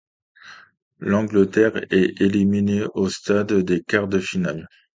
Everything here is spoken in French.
L'Angleterre est éliminée au stade des quarts-de-finale.